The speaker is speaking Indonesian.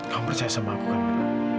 kamu percaya sama aku kan